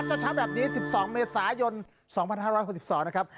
ผู้ชมครับช้าแบบนี้๑๒เมษายน๒๕๖๒นะครับ